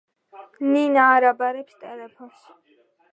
ნინა არ აბარებს ტელეფონს